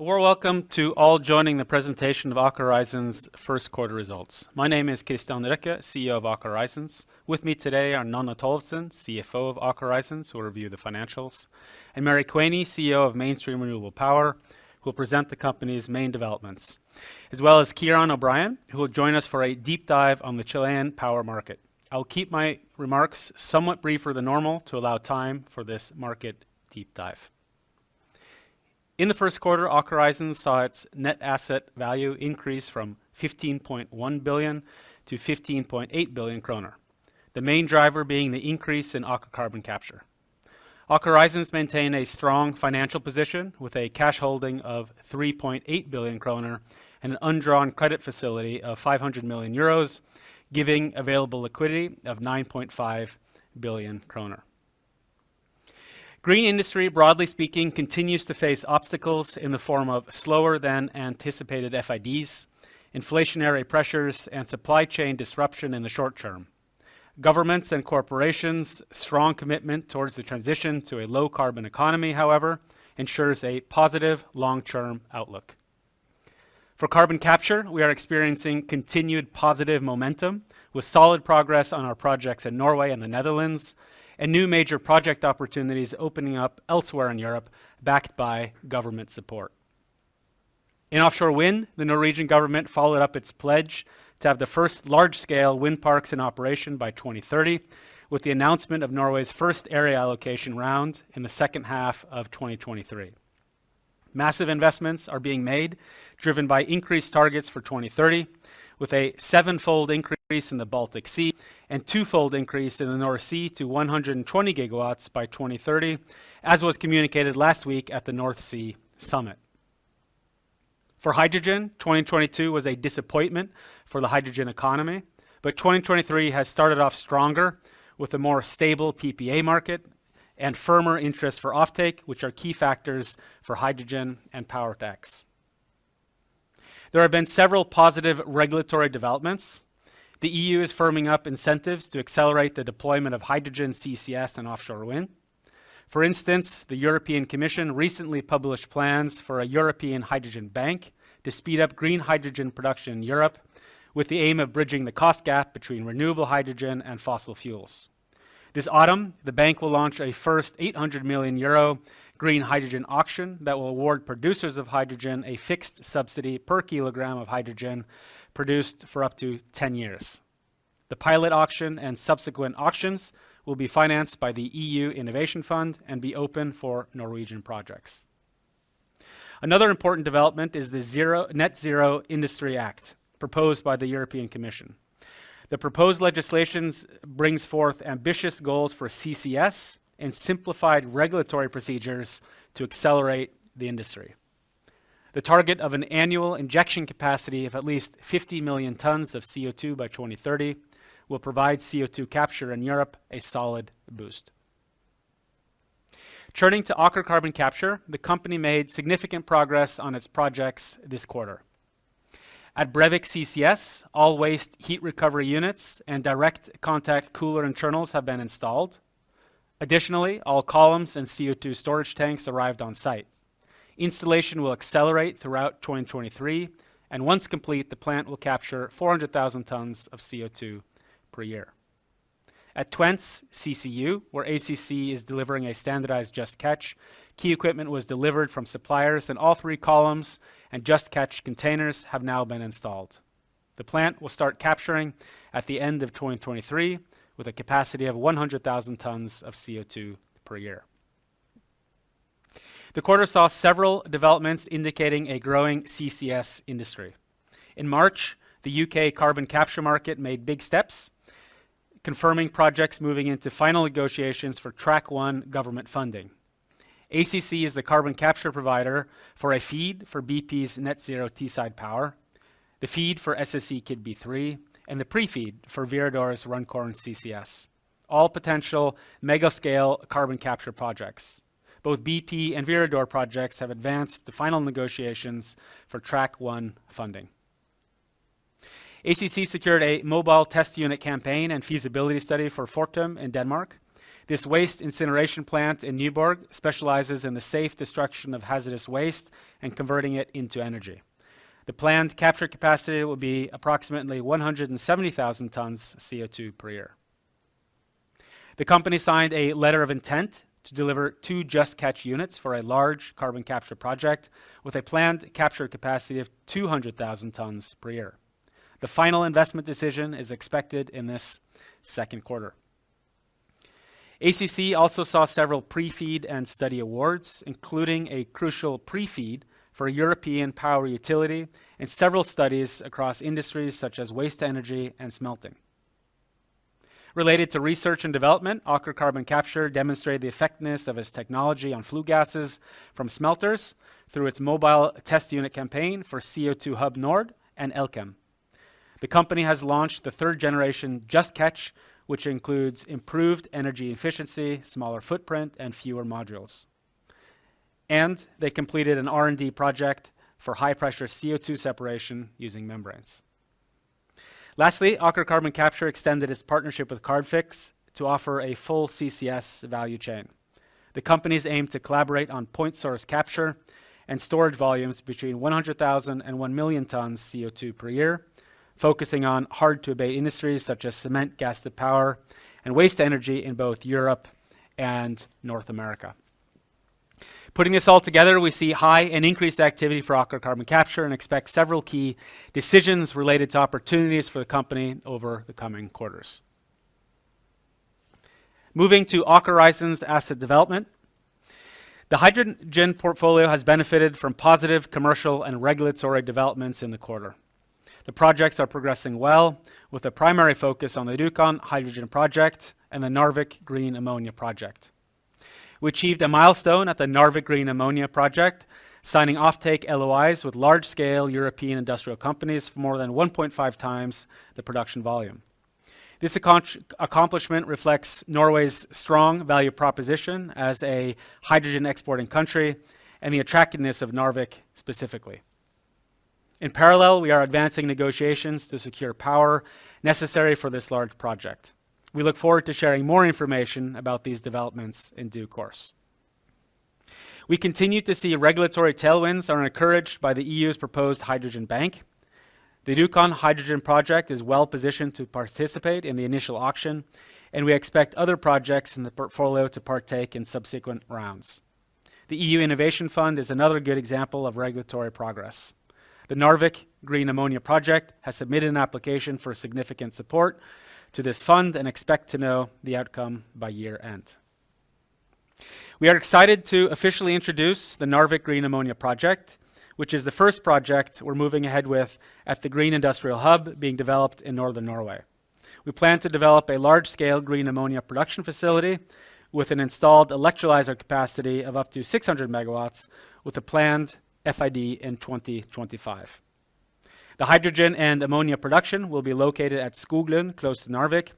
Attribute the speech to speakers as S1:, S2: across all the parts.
S1: A warm welcome to all joining the presentation of Aker Horizons first quarter results. My name is Kristian Røkke, CEO of Aker Horizons. With me today are Nanna Tollefsen, CFO of Aker Horizons, who will review the financials, and Mary Quaney, CEO of Mainstream Renewable Power, who will present the company's main developments. As well as Ciaran O'Brien, who will join us for a deep dive on the Chilean power market. I will keep my remarks somewhat briefer than normal to allow time for this market deep dive. In the first quarter, Aker Horizons saw its net asset value increase from 15.1 billion-15.8 billion kroner, the main driver being the increase in Aker Carbon Capture. Aker Horizons maintain a strong financial position with a cash holding of 3.8 billion kroner and an undrawn credit facility of 500 million euros, giving available liquidity of 9.5 billion kroner. Green industry, broadly speaking, continues to face obstacles in the form of slower than anticipated FIDs, inflationary pressures, and supply chain disruption in the short term. Governments' and corporations' strong commitment towards the transition to a low carbon economy, however, ensures a positive long-term outlook. For carbon capture, we are experiencing continued positive momentum with solid progress on our projects in Norway and the Netherlands, and new major project opportunities opening up elsewhere in Europe, backed by government support. In offshore wind, the Norwegian government followed up its pledge to have the first large-scale wind parks in operation by 2030, with the announcement of Norway's first area allocation round in the second half of 2023. Massive investments are being made, driven by increased targets for 2030, with a seven-fold increase in the Baltic Sea and two-fold increase in the North Sea to 120 GW by 2030, as was communicated last week at the North Sea Summit. For hydrogen, 2022 was a disappointment for the hydrogen economy, but 2023 has started off stronger with a more stable PPA market and firmer interest for offtake, which are key factors for hydrogen and Power-to-X. There have been several positive regulatory developments. The EU is firming up incentives to accelerate the deployment of hydrogen, CCS, and offshore wind. For instance, the European Commission recently published plans for a European Hydrogen Bank to speed up green hydrogen production in Europe, with the aim of bridging the cost gap between renewable hydrogen and fossil fuels. This autumn, the bank will launch a first 800 million euro green hydrogen auction that will award producers of hydrogen a fixed subsidy per kilogram of hydrogen produced for up to 10 years. The pilot auction and subsequent auctions will be financed by the Innovation Fund and be open for Norwegian projects. Another important development is the Net-Zero Industry Act proposed by the European Commission. The proposed legislations brings forth ambitious goals for CCS and simplified regulatory procedures to accelerate the industry. The target of an annual injection capacity of at least 50 million tons of CO2 by 2030 will provide CO2 capture in Europe a solid boost. Turning to Aker Carbon Capture, the company made significant progress on its projects this quarter. At Brevik CCS, all waste heat recovery units and direct contact cooler internals have been installed. Additionally, all columns and CO2 storage tanks arrived on site. Installation will accelerate throughout 2023, and once complete, the plant will capture 400,000 tons of CO2 per year. At Twence's CCU, where ACC is delivering a standardized Just Catch, key equipment was delivered from suppliers, and all three columns and Just Catch containers have now been installed. The plant will start capturing at the end of 2023, with a capacity of 100,000 tons of CO2 per year. The quarter saw several developments indicating a growing CCS industry. In March, the U.K. carbon capture market made big steps, confirming projects moving into final negotiations for Track 1 government funding. ACC is the carbon capture provider for a FEED for bp's Net Zero Teesside Power, the FEED for SSE Kårstø B3, and the pre-FEED for Viridor's Runcorn CCS, all potential mega-scale carbon capture projects. Both bp and Viridor projects have advanced to final negotiations for Track 1 funding. ACC secured a mobile test unit campaign and feasibility study for Fortum in Denmark. This waste incineration plant in Nyborg specializes in the safe destruction of hazardous waste and converting it into energy. The planned capture capacity will be approximately 170,000 tons of CO2 per year. The company signed a letter of intent to deliver 2 Just Catch units for a large carbon capture project with a planned capture capacity of 200,000 tons per year. The final investment decision is expected in this second quarter. ACC also saw several pre-FEED and study awards, including a crucial pre-FEED for a European power utility and several studies across industries such as waste energy and smelting. Related to research and development, Aker Carbon Capture demonstrated the effectiveness of its technology on flue gases from smelters through its mobile test unit campaign for CO2 Hub Nord and Elkem. The company has launched the third generation JustCatch, which includes improved energy efficiency, smaller footprint, and fewer modules. They completed an R&D project for high pressure CO2 separation using membranes. Lastly, Aker Carbon Capture extended its partnership with Carbfix to offer a full CCS value chain. The companies aim to collaborate on point source capture and storage volumes between 100,000 and 1 million tons CO₂ per year, focusing on hard-to-abate industries such as cement, gassed power, and waste energy in both Europe and North America. Putting this all together, we see high and increased activity for Aker Carbon Capture and expect several key decisions related to opportunities for the company over the coming quarters. Moving to Aker Horizons asset development. The hydrogen portfolio has benefited from positive commercial and regulatory developments in the quarter. The projects are progressing well, with a primary focus on the Rjukan Hydrogen project and the Narvik Green Ammonia project. We achieved a milestone at the Narvik Green Ammonia project, signing offtake LOIs with large-scale European industrial companies for more than 1.5 times the production volume. This accomplishment reflects Norway's strong value proposition as a hydrogen exporting country and the attractiveness of Narvik specifically. In parallel, we are advancing negotiations to secure power necessary for this large project. We look forward to sharing more information about these developments in due course. We continue to see regulatory tailwinds are encouraged by the EU's proposed Hydrogen Bank. The Rjukan Hydrogen project is well-positioned to participate in the initial auction, and we expect other projects in the portfolio to partake in subsequent rounds. The EU Innovation Fund is another good example of regulatory progress. The Narvik Green Ammonia project has submitted an application for significant support to this fund and expect to know the outcome by year-end. We are excited to officially introduce the Narvik Green Ammonia project, which is the first project we're moving ahead with at the green industrial hub being developed in northern Norway. We plan to develop a large-scale green ammonia production facility with an installed electrolyzer capacity of up to 600 megawatts with a planned FID in 2025. The hydrogen and ammonia production will be located at Skoglund, close to Narvik,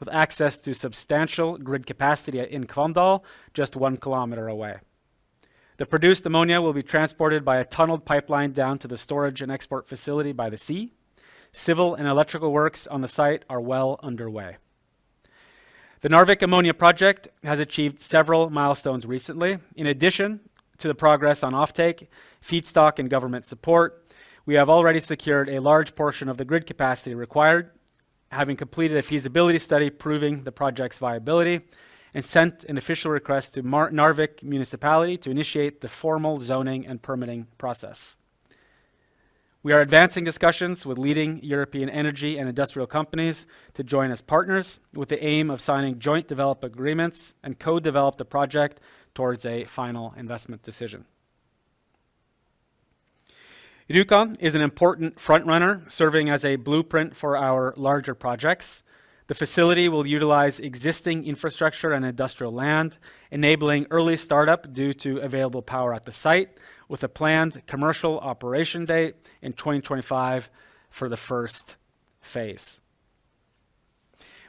S1: with access to substantial grid capacity at Kvandal, just 1 kilometer away. The produced ammonia will be transported by a tunneled pipeline down to the storage and export facility by the sea. Civil and electrical works on the site are well underway. The Narvik Green Ammonia project has achieved several milestones recently. In addition to the progress on offtake, feedstock, and government support, we have already secured a large portion of the grid capacity required, having completed a feasibility study proving the project's viability and sent an official request to Narvik Municipality to initiate the formal zoning and permitting process. We are advancing discussions with leading European energy and industrial companies to join as partners with the aim of signing joint development agreements and co-develop the project towards a final investment decision. Rjukan is an important front runner, serving as a blueprint for our larger projects. The facility will utilize existing infrastructure and industrial land, enabling early startup due to available power at the site with a planned commercial operation date in 2025 for the first phase.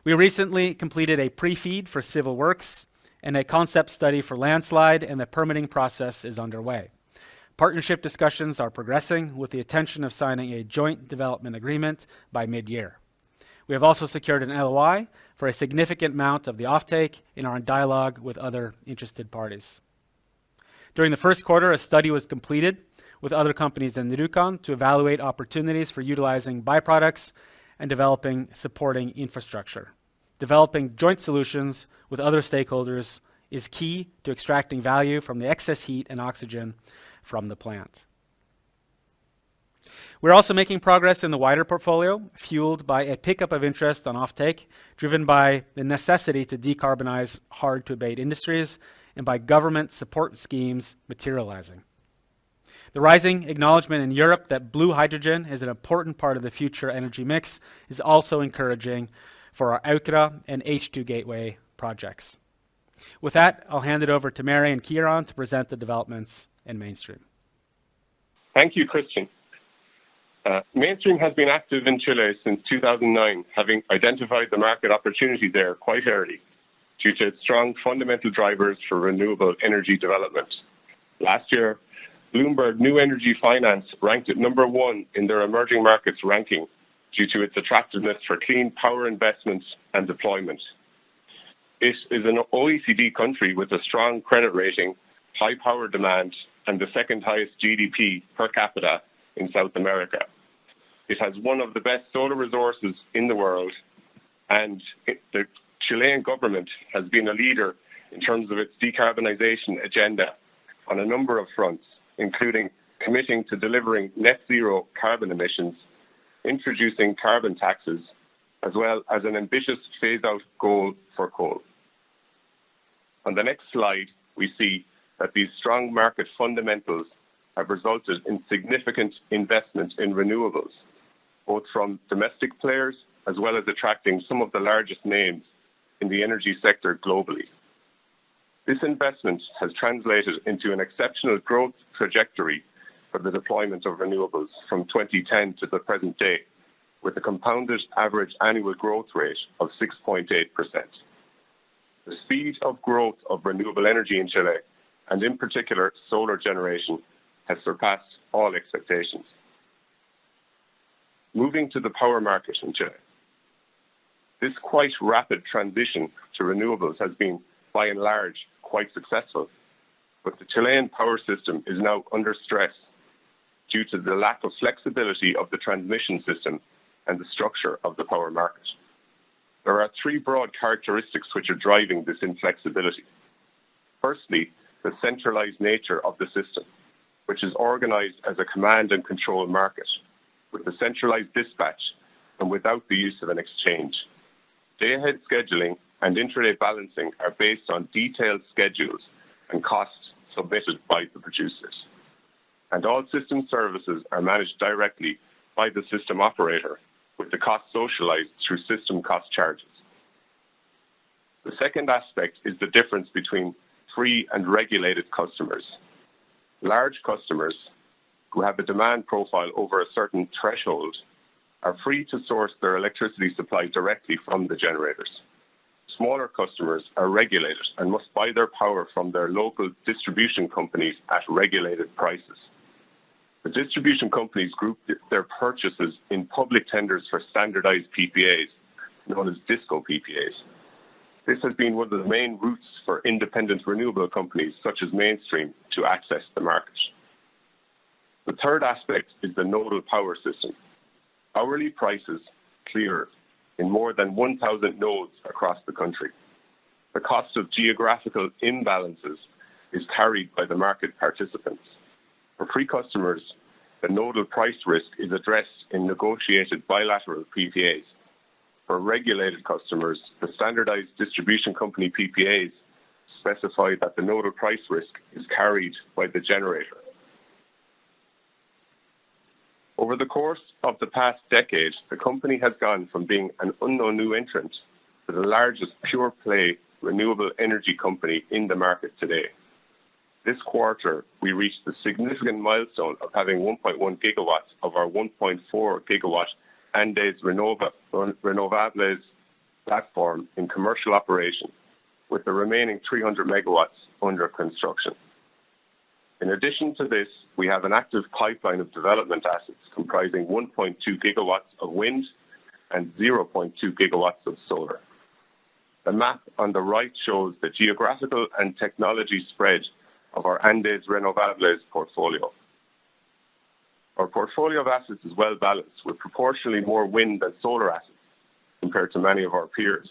S1: We recently completed a pre-FEED for civil works and a concept study for landslide. The permitting process is underway. Partnership discussions are progressing with the intention of signing a joint development agreement by mid-year. We have also secured an LOI for a significant amount of the offtake in our dialogue with other interested parties. During the first quarter, a study was completed with other companies in Rjukan to evaluate opportunities for utilizing by-products and developing supporting infrastructure. Developing joint solutions with other stakeholders is key to extracting value from the excess heat and oxygen from the plant. We're also making progress in the wider portfolio, fueled by a pickup of interest on offtake, driven by the necessity to decarbonize hard-to-abate industries and by government support schemes materializing. The rising acknowledgment in Europe that blue hydrogen is an important part of the future energy mix is also encouraging for our Akerra and H2 Gateway projects. With that, I'll hand it over to Mary Quaney to present the developments in Mainstream.
S2: Thank you, Christian. Mainstream has been active in Chile since 2009, having identified the market opportunity there quite early due to its strong fundamental drivers for renewable energy development. Last year, Bloomberg New Energy Finance ranked it number one in their emerging markets ranking due to its attractiveness for clean power investments and deployment. This is an OECD country with a strong credit rating, high power demand, and the second highest GDP per capita in South America. It has one of the best solar resources in the world, and the Chilean government has been a leader in terms of its decarbonization agenda on a number of fronts, including committing to delivering net zero carbon emissions, introducing carbon taxes, as well as an ambitious phase out goal for coal. On the next slide, we see that these strong market fundamentals have resulted in significant investment in renewables, both from domestic players as well as attracting some of the largest names in the energy sector globally. This investment has translated into an exceptional growth trajectory for the deployment of renewables from 2010 to the present day, with a compounded average annual growth rate of 6.8%. The speed of growth of renewable energy in Chile, and in particular, solar generation, has surpassed all expectations. Moving to the power market in Chile. This quite rapid transition to renewables has been, by and large, quite successful, but the Chilean power system is now under stress due to the lack of flexibility of the transmission system and the structure of the power market. There are three broad characteristics which are driving this inflexibility. Firstly, the centralized nature of the system, which is organized as a command and control market with a centralized dispatch and without the use of an exchange. Day-ahead scheduling and intraday balancing are based on detailed schedules and costs submitted by the producers. All system services are managed directly by the system operator, with the cost socialized through system cost charges. The second aspect is the difference between free and regulated customers. Large customers who have a demand profile over a certain threshold are free to source their electricity supply directly from the generators. Smaller customers are regulators and must buy their power from their local distribution companies at regulated prices. The distribution companies group their purchases in public tenders for standardized PPAs, known as DISCO PPAs. This has been one of the main routes for independent renewable companies, such as Mainstream, to access the market. The third aspect is the nodal power system. Hourly prices clear in more than 1,000 nodes across the country. The cost of geographical imbalances is carried by the market participants. For free customers, the nodal price risk is addressed in negotiated bilateral PPAs. For regulated customers, the standardized distribution company PPAs specify that the nodal price risk is carried by the generator. Over the course of the past decade, the company has gone from being an unknown new entrant to the largest pure-play renewable energy company in the market today. This quarter, we reached the significant milestone of having 1.1 GW of our 1.4 GW Andes Renovables platform in commercial operation, with the remaining 300 MW under construction. In addition to this, we have an active pipeline of development assets comprising 1.2 GW of wind and 0.2 GW of solar. The map on the right shows the geographical and technology spread of our Andes Renovables portfolio. Our portfolio of assets is well-balanced, with proportionally more wind than solar assets compared to many of our peers.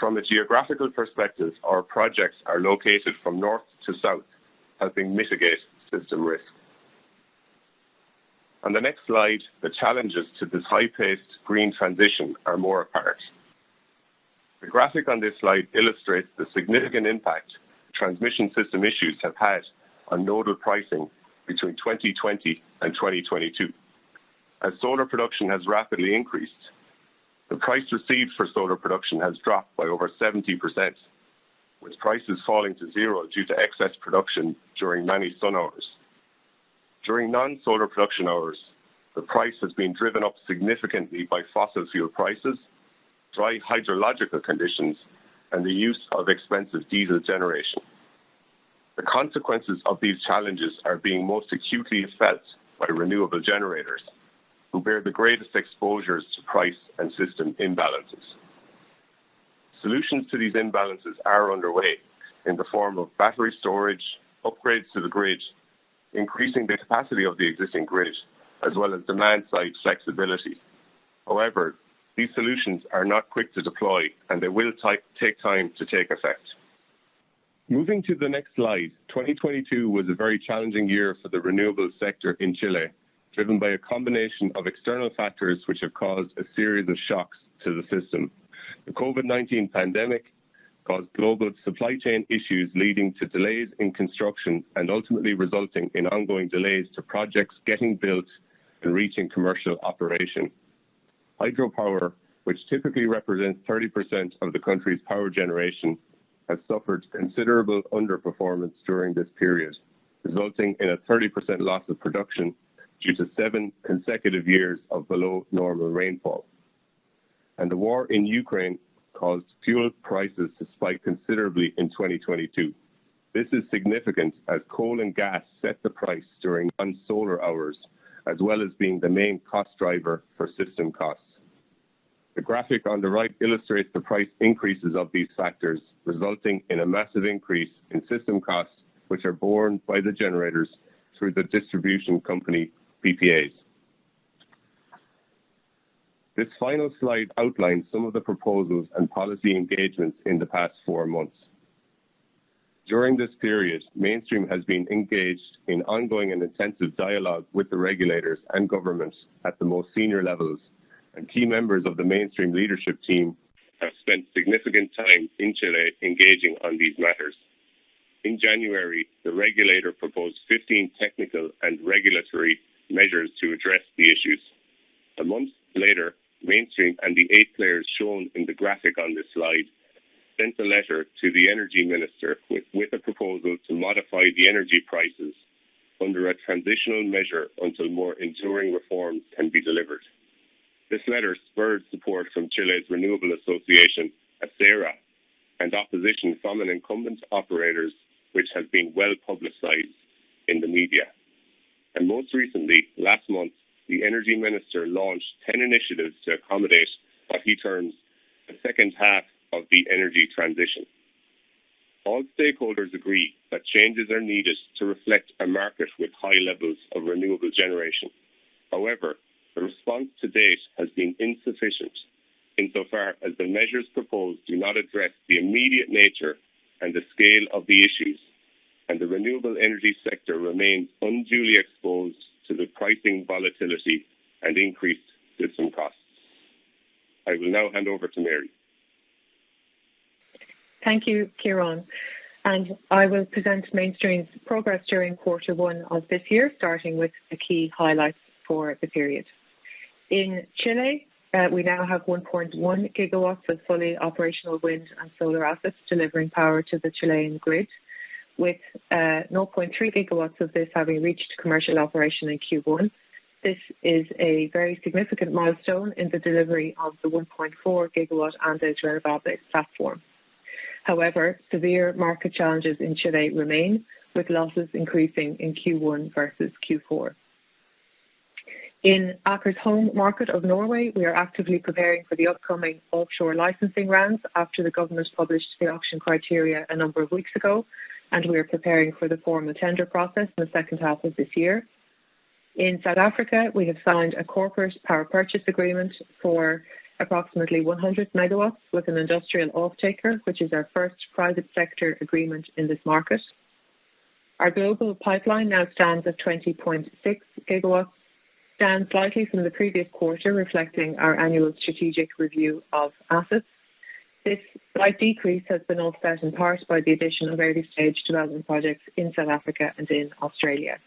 S2: From a geographical perspective, our projects are located from north to south, helping mitigate system risk. On the next slide, the challenges to this high-paced green transition are more apart. The graphic on this slide illustrates the significant impact transmission system issues have had on nodal pricing between 2020 and 2022. As solar production has rapidly increased, the price received for solar production has dropped by over 70%, with prices falling to zero due to excess production during many sun hours. During non-solar production hours, the price has been driven up significantly by fossil fuel prices, dry hydrological conditions, and the use of expensive diesel generation. The consequences of these challenges are being most acutely felt by renewable generators, who bear the greatest exposures to price and system imbalances. Solutions to these imbalances are underway in the form of battery storage, upgrades to the grid, increasing the capacity of the existing grid, as well as demand-side flexibility. These solutions are not quick to deploy, and they will take time to take effect. Moving to the next slide, 2022 was a very challenging year for the renewables sector in Chile, driven by a combination of external factors which have caused a series of shocks to the system. The COVID-19 pandemic caused global supply chain issues, leading to delays in construction and ultimately resulting in ongoing delays to projects getting built and reaching commercial operation. Hydropower, which typically represents 30% of the country's power generation, has suffered considerable underperformance during this period, resulting in a 30% loss of production due to 7 consecutive years of below-normal rainfall. The war in Ukraine caused fuel prices to spike considerably in 2022. This is significant as coal and gas set the price during non-solar hours, as well as being the main cost driver for system costs. The graphic on the right illustrates the price increases of these factors, resulting in a massive increase in system costs, which are borne by the generators through the distribution company PPAs. This final slide outlines some of the proposals and policy engagements in the past four months. During this period, Mainstream has been engaged in ongoing and intensive dialogue with the regulators and governments at the most senior levels, key members of the Mainstream leadership team have spent significant time in Chile engaging on these matters. In January, the regulator proposed 15 technical and regulatory measures to address the issues. A month later, Mainstream and the eight players shown in the graphic on this slide sent a letter to the Energy Minister with a proposal to modify the energy prices under a transitional measure until more enduring reform can be delivered. This letter spurred support from Chile's Renewable Association, ACERA, and opposition from an incumbent operators which has been well-publicized in the media. Most recently, last month, the Energy Minister launched 10 initiatives to accommodate what he terms the second half of the energy transition. All stakeholders agree that changes are needed to reflect a market with high levels of renewable generation. However, the response to date has been insufficient insofar as the measures proposed do not address the immediate nature and the scale of the issues, and the renewable energy sector remains unduly exposed to the pricing volatility and increased system costs. I will now hand over to Mary.
S3: Thank you, Ciaran. I will present Mainstream's progress during Q1 of this year, starting with the key highlights for the period. In Chile, we now have 1.1 gigawatts of fully operational wind and solar assets delivering power to the Chilean grid, with 0.3 gigawatts of this having reached commercial operation in Q1. This is a very significant milestone in the delivery of the 1.4 gigawatt Andes Renovables platform. However, severe market challenges in Chile remain, with losses increasing in Q1 versus Q4. In Aker's home market of Norway, we are actively preparing for the upcoming offshore licensing rounds after the government published the auction criteria a number of weeks ago, and we are preparing for the formal tender process in the second half of this year. In South Africa, we have signed a corporate power purchase agreement for approximately 100 megawatts with an industrial off-taker, which is our first private sector agreement in this market. Our global pipeline now stands at 20.6 gigawatts, down slightly from the previous quarter, reflecting our annual strategic review of assets. This slight decrease has been offset in part by the addition of early-stage development projects in South Africa and in Australia.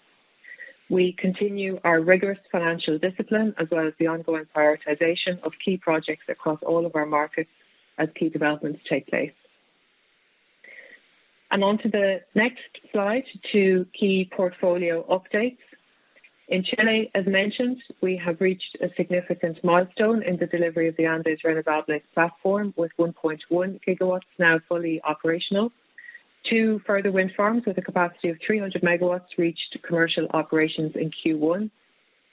S3: We continue our rigorous financial discipline as well as the ongoing prioritization of key projects across all of our markets as key developments take place. On to the next slide, to key portfolio updates. In Chile, as mentioned, we have reached a significant milestone in the delivery of the Andes Renovables platform, with 1.1 gigawatts now fully operational. Two further wind farms with a capacity of 300 megawatts reached commercial operations in Q1.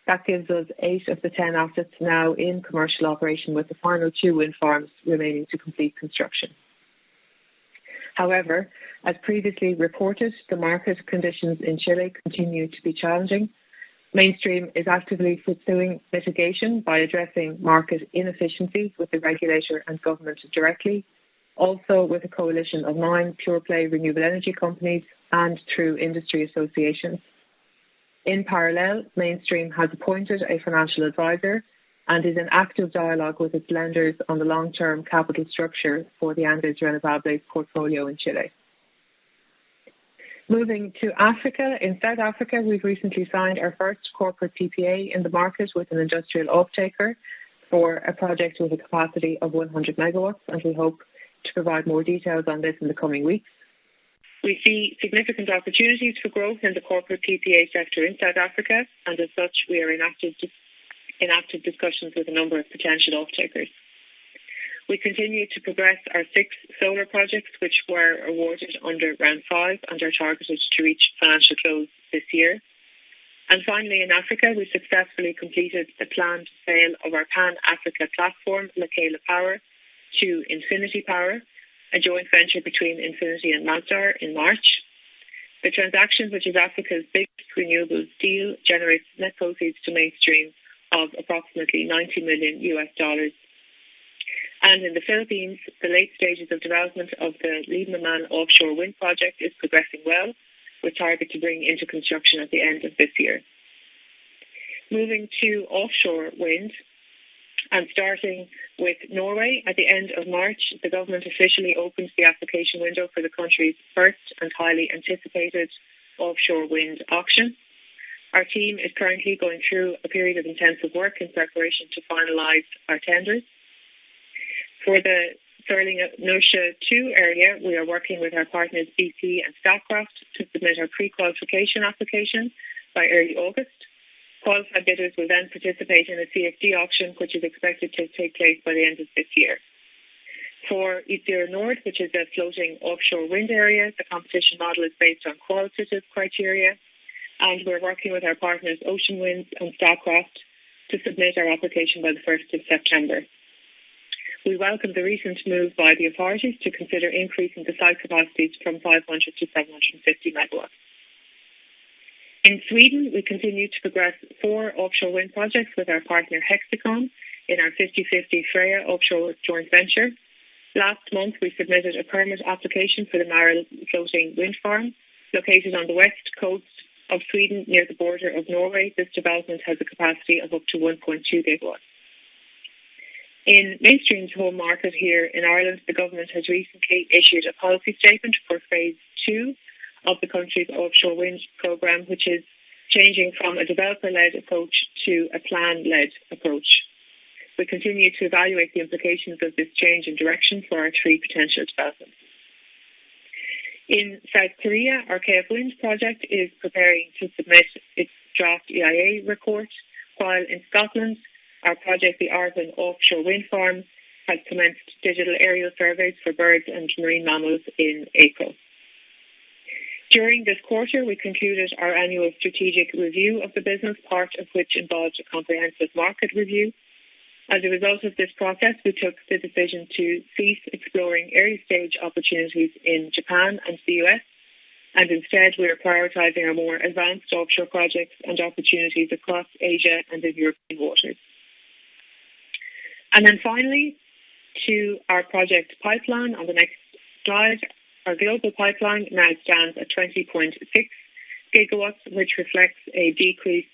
S3: That gives us 8 assets of the 10 assets now in commercial operation, with the final two wind farms remaining to complete construction. As previously reported, the market conditions in Chile continue to be challenging. Mainstream is actively pursuing mitigation by addressing market inefficiencies with the regulator and government directly. With a coalition of nine pure-play renewable energy companies and through industry associations. In parallel, Mainstream has appointed a financial advisor and is in active dialogue with its lenders on the long-term capital structure for the Andes Renovables portfolio in Chile. Moving to Africa. In South Africa, we've recently signed our first corporate PPA in the market with an industrial off-taker for a project with a capacity of 100 megawatts, and we hope to provide more details on this in the coming weeks. We see significant opportunities for growth in the corporate PPA sector in South Africa, as such, we are in active discussions with a number of potential off-takers. We continue to progress our six solar projects, which were awarded under Round 5 and are targeted to reach financial close this year. Finally, in Africa, we successfully completed the planned sale of our Pan-Africa platform, Lekela Power, to Infinity Power, a joint venture between Infinity and Masdar in March. The transaction, which is Africa's biggest renewables deal, generates net proceeds to Mainstream of approximately $90 million. In the Philippines, the late stages of development of the Réamann offshore wind project is progressing well. We target to bring into construction at the end of this year. Moving to offshore wind and starting with Norway. At the end of March, the government officially opened the application window for the country's first and highly anticipated offshore wind auction. Our team is currently going through a period of intensive work in preparation to finalize our tenders. For the Sørlige Nordsjø II area, we are working with our partners, bp and Statkraft, to submit our pre-qualification application by early August. Qualified bidders will then participate in a CFD auction, which is expected to take place by the end of this year. For Utsira Nord, which is a floating offshore wind area, the competition model is based on qualitative criteria, and we're working with our partners, Ocean Winds and Statkraft, to submit our application by the first of September. We welcome the recent move by the authorities to consider increasing the site capacities from 500 to 750 MW. In Sweden, we continue to progress four offshore wind projects with our partner, Hexicon, in our 50/50 Freja Offshore joint venture. Last month, we submitted a permit application for the Mareld floating wind farm located on the west coast of Sweden, near the border of Norway. This development has a capacity of up to 1.2 GW. In Mainstream's home market here in Ireland, the government has recently issued a policy statement for phase two of the country's offshore wind program, which is changing from a developer-led approach to a plan-led approach. We continue to evaluate the implications of this change in direction for our three potential developments. In South Korea, our KF Wind project is preparing to submit its draft EIA report, while in Scotland, our project, the Ardersier Offshore Wind Farm, has commenced digital aerial surveys for birds and marine mammals in April. During this quarter, we concluded our annual strategic review of the business, part of which involved a comprehensive market review. As a result of this process, we took the decision to cease exploring early-stage opportunities in Japan and the U.S., instead, we are prioritizing our more advanced offshore projects and opportunities across Asia and the European waters. Finally, to our project pipeline on the next slide. Our global pipeline now stands at 20.6 gigawatts, which reflects a decrease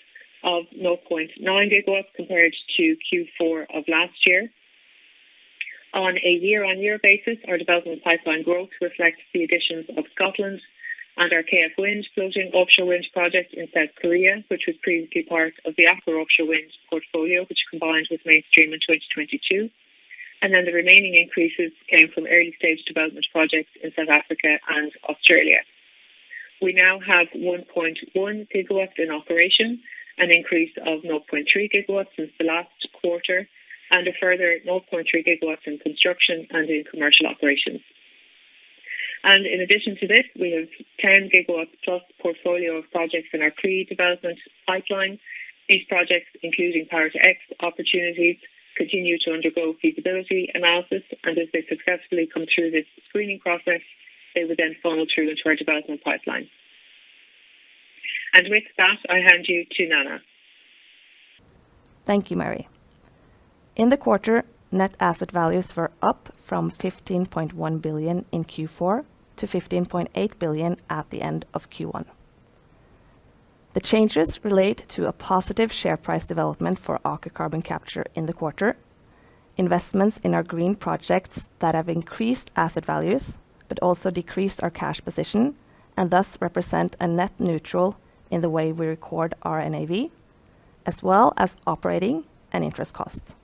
S3: of 0.9 gigawatts compared to Q4 of last year. On a year-on-year basis, our development pipeline growth reflects the additions of Scotland and our KF Wind floating offshore wind project in South Korea, which was previously part of the Aker Offshore Wind portfolio, which combined with Mainstream in 2022. The remaining increases came from early-stage development projects in South Africa and Australia. We now have 1.1 GW in operation, an increase of 0.3 GW since the last quarter, and a further 0.3 GW in construction and in commercial operations. In addition to this, we have 10 GW+ portfolio of projects in our pre-development pipeline. These projects, including Power-to-X opportunities, continue to undergo feasibility analysis, and as they successfully come through this screening process, they will then funnel through into our development pipeline. With that, I hand you to Nanna.
S4: Thank you, Marianne. In the quarter, net asset values were up from 15.1 billion in Q4 to 15.8 billion at the end of Q1. The changes relate to a positive share price development for Aker Carbon Capture in the quarter. Investments in our green projects that have increased asset values but also decreased our cash position and thus represent a net neutral in the way we record our NAV, as well as operating and interest costs.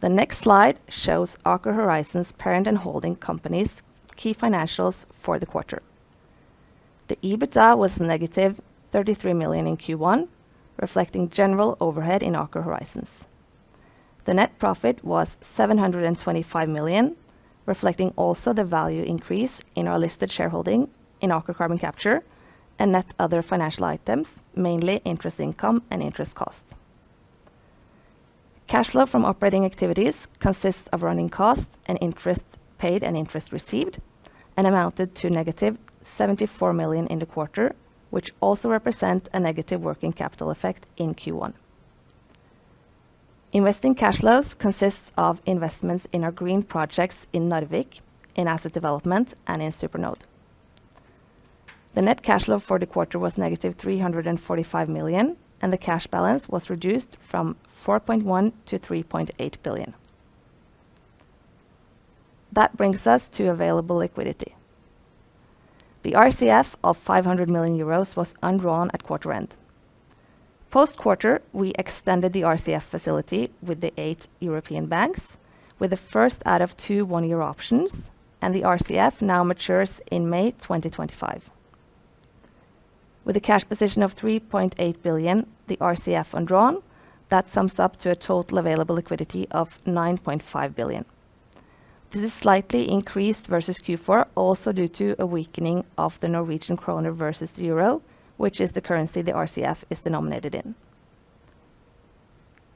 S4: The next slide shows Aker Horizons parent and holding company's key financials for the quarter. The EBITDA was negative 33 million in Q1, reflecting general overhead in Aker Horizons. The net profit was 725 million, reflecting also the value increase in our listed shareholding in Aker Carbon Capture and net other financial items, mainly interest income and interest costs. Cash flow from operating activities consists of running costs and interest paid and interest received, amounted to negative 74 million in the quarter, which also represent a negative working capital effect in Q1. Investing cash flows consists of investments in our green projects in Narvik, in asset development, and in SuperNode. The net cash flow for the quarter was negative 345 million. The cash balance was reduced from 4.1 billion to 3.8 billion. That brings us to available liquidity. The RCF of 500 million euros was undrawn at quarter end. Post-quarter, we extended the RCF facility with the eight European banks with the first out of two one-year options, and the RCF now matures in May 2025. With a cash position of 3.8 billion, the RCF undrawn, that sums up to a total available liquidity of 9.5 billion. This is slightly increased versus Q4, also due to a weakening of the Norwegian krone versus euro, which is the currency the RCF is denominated in.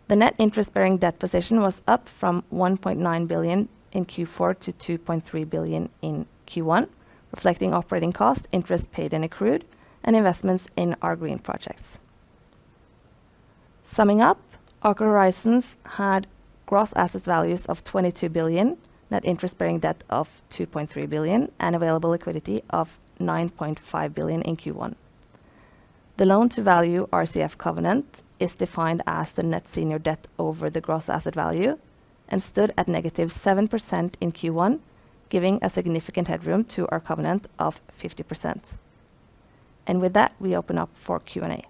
S4: The net interest-bearing debt position was up from 1.9 billion in Q4 to 2.3 billion in Q1, reflecting operating costs, interest paid and accrued, and investments in our green projects. Summing up, Aker Horizons had gross asset values of 22 billion, net interest-bearing debt of 2.3 billion, and available liquidity of 9.5 billion in Q1. The loan to value RCF covenant is defined as the net senior debt over the gross asset value and stood at -7% in Q1, giving a significant headroom to our covenant of 50%. With that, we open up for Q&A.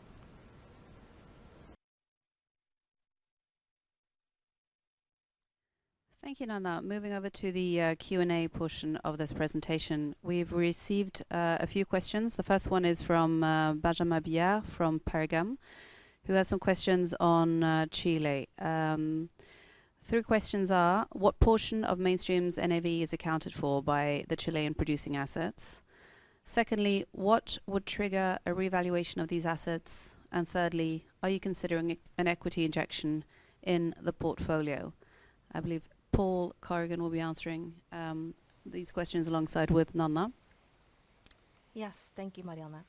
S5: Thank you, Nanna. Moving over to the Q&A portion of this presentation. We've received a few questions. The first one is from Benjamin Billiot from Pareto Securities, who has some questions on Chile. 3 questions are: What portion of Mainstream's NAV is accounted for by the Chilean producing assets? What would trigger a revaluation of these assets? Thirdly, are you considering an equity injection in the portfolio? I believe Paul Corrigan will be answering these questions alongside with Nanna.
S4: Yes. Thank you, Marianne.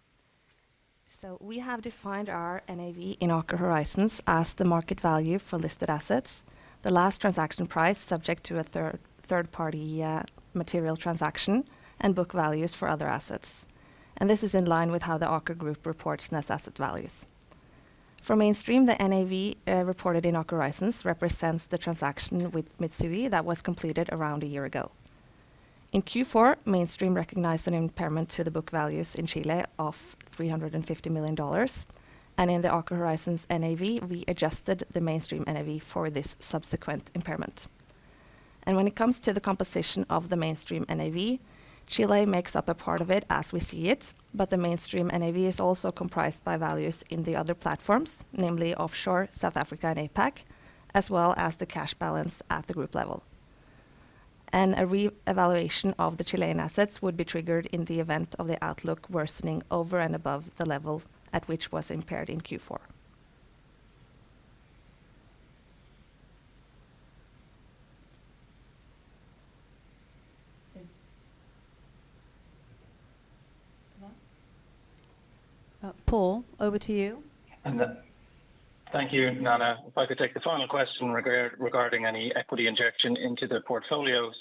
S4: We have defined our NAV in Aker Horizons as the market value for listed assets, the last transaction price subject to a third party, material transaction, and book values for other assets. This is in line with how the Aker group reports net asset values. For Mainstream, the NAV reported in Aker Horizons represents the transaction with Mitsui that was completed around a year ago. In Q4, Mainstream recognized an impairment to the book values in Chile of $350 million, in the Aker Horizons NAV, we adjusted the Mainstream NAV for this subsequent impairment. When it comes to the composition of the Mainstream NAV, Chile makes up a part of it as we see it, but the Mainstream NAV is also comprised by values in the other platforms, namely offshore South Africa and APAC, as well as the cash balance at the group level. A re-evaluation of the Chilean assets would be triggered in the event of the outlook worsening over and above the level at which was impaired in Q4. Paul, over to you.
S6: Thank you, Nana. If I could take the final question regarding any equity injection into the portfolio.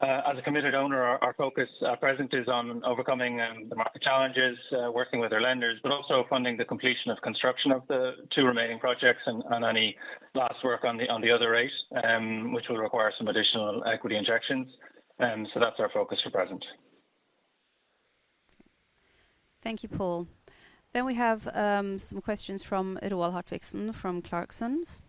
S6: As a committed owner, our focus at present is on overcoming the market challenges, working with our lenders, but also funding the completion of construction of the two remaining projects and any last work on the other eight, which will require some additional equity injections. That's our focus for present.
S5: Thank you, Paul. We have some questions from Roald Hartvigsen from Clarksons.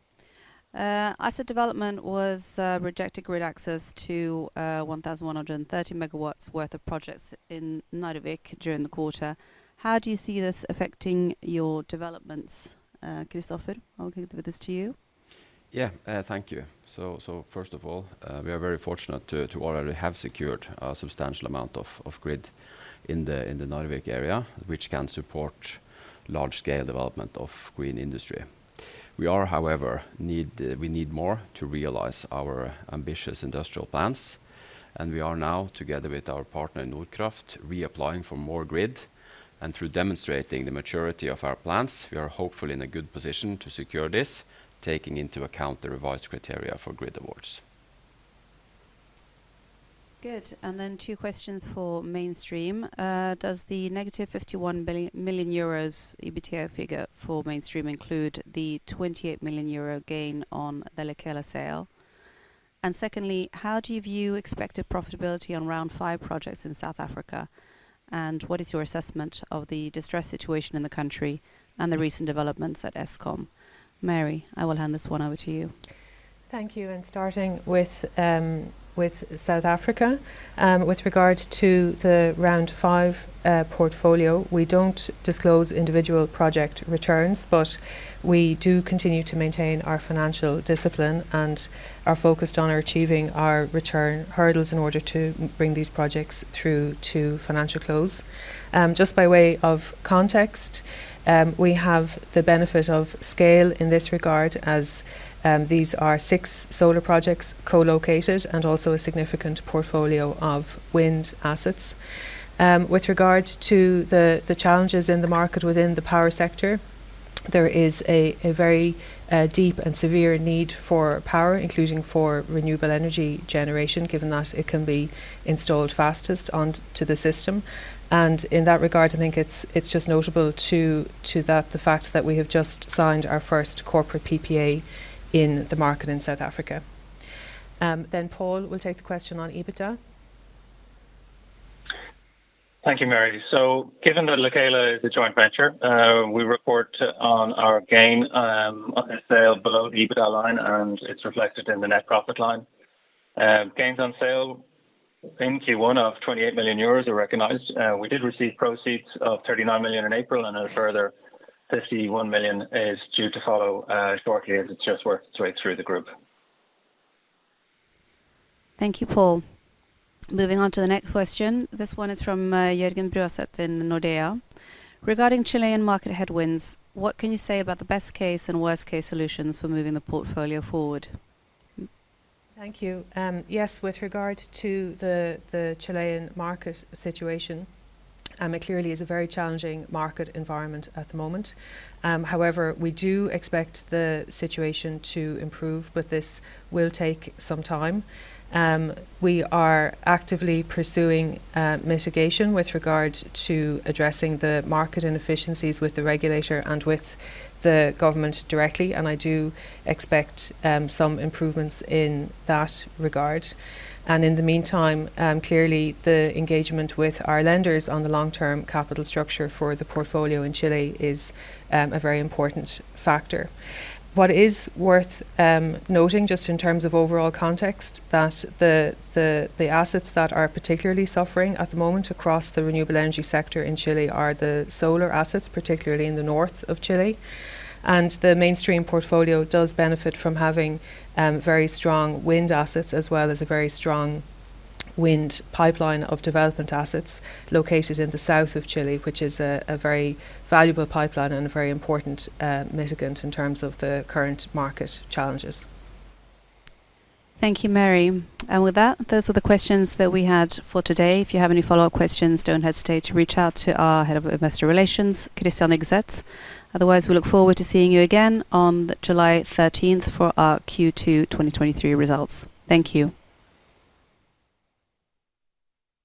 S5: Asset development was rejected grid access to 1,130 megawatts worth of projects in Narvik during the quarter. How do you see this affecting your developments? Kristoffer, I'll give this to you.
S7: Thank you. First of all, we are very fortunate to already have secured a substantial amount of grid in the Narvik area, which can support large scale development of green industry. We, however, need more to realize our ambitious industrial plans, and we are now, together with our partner Nordkraft, reapplying for more grid. Through demonstrating the maturity of our plans, we are hopefully in a good position to secure this, taking into account the revised criteria for grid awards.
S5: Good. Two questions for Mainstream. Does the negative 51 million euros EBITDA figure for Mainstream include the 28 million euro gain on the Lekela sale? How do you view expected profitability on Round 5 projects in South Africa, and what is your assessment of the distressed situation in the country and the recent developments at Eskom? Mary, I will hand this one over to you.
S3: Thank you. Starting with South Africa, with regard to the Round 5 portfolio, we don't disclose individual project returns, but we do continue to maintain our financial discipline and are focused on achieving our return hurdles in order to bring these projects through to financial close. Just by way of context, we have the benefit of scale in this regard as these are six solar projects co-located and also a significant portfolio of wind assets. With regard to the challenges in the market within the power sector, there is a very deep and severe need for power, including for renewable energy generation, given that it can be installed fastest onto the system. In that regard, I think it's just notable to that the fact that we have just signed our first corporate PPA in the market in South Africa. Paul will take the question on EBITDA.
S6: Thank you, Mary. Given that Lekela is a joint venture, we report on our gain on the sale below EBITDA line, and it's reflected in the net profit line. Gains on sale in Q1 of 28 million euros are recognized. We did receive proceeds of 39 million in April, and a further 51 million is due to follow shortly as it just works its way through the group.
S5: Thank you, Paul. Moving on to the next question. This one is from Jørgen Bruaset in Nordea. Regarding Chilean market headwinds, what can you say about the best case and worst case solutions for moving the portfolio forward?
S3: Thank you. Yes, with regard to the Chilean market situation, it clearly is a very challenging market environment at the moment. However, we do expect the situation to improve, but this will take some time. We are actively pursuing mitigation with regard to addressing the market inefficiencies with the regulator and with the government directly, and I do expect some improvements in that regard. In the meantime, clearly the engagement with our lenders on the long-term capital structure for the portfolio in Chile is a very important factor. What is worth noting, just in terms of overall context, that the assets that are particularly suffering at the moment across the renewable energy sector in Chile are the solar assets, particularly in the north of Chile. The Mainstream portfolio does benefit from having very strong wind assets as well as a very strong wind pipeline of development assets located in the south of Chile, which is a very valuable pipeline and a very important mitigant in terms of the current market challenges.
S5: Thank you, Mary. With that, those are the questions that we had for today. If you have any follow-up questions, don't hesitate to reach out to our Head of Investor Relations, Christian Yggeseth. Otherwise, we look forward to seeing you again on July thirteenth for our Q2 2023 results. Thank you.